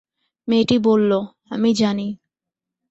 মেয়েটি বলল, আমি জানি।